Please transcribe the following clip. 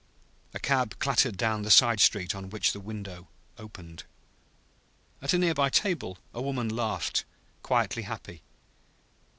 A cab clattered down the side street on which the window opened. At a near by table a woman laughed, quietly happy.